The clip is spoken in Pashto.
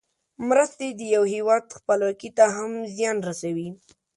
مرستې د یو هېواد خپلواکۍ ته هم زیان رسوي.